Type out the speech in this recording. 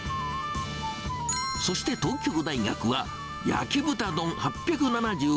そして東京大学は、焼豚丼８７８円。